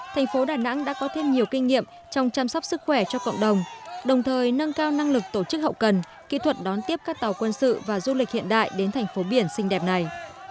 thành phố đà nẵng đã có thêm nhiều kinh nghiệm trong chăm sóc sức khỏe cho cộng đồng đồng thời nâng cao năng lực tổ chức hậu cần kỹ thuật đón tiếp các tàu quân sự và du lịch hiện đại đến thành phố biển xinh đẹp này